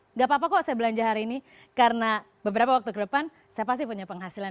nggak apa apa kok saya belanja hari ini karena beberapa waktu ke depan saya pasti punya penghasilan